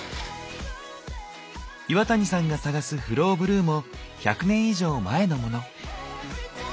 岩谷さんが探すフローブルーも１００年以上前のもの。